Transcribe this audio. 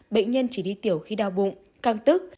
bệnh nhân chỉ đi tiểu khi đau bụng căng tức